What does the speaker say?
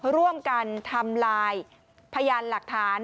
ร่วมกันทำลายพยานหลักฐาน